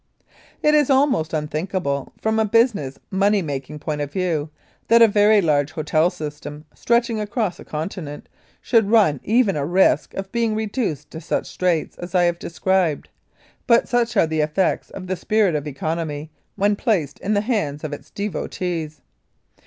It is almost unthinkable, from a business money making point of view, that a very large hotel system, stretching across a continent, should run even a risk of being reduced to such straits as I Have described, but such are the effects of the spirit of economy when placed in the hands of its devotees.